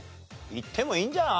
いってもいいんじゃん？